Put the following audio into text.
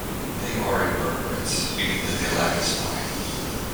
They are invertebrates, meaning that they lack a spine.